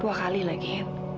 dua kali lagi